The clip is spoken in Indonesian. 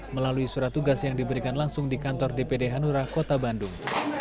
melalui surat tugas yang diberikan langsung di kantor dpd hanura kota bandung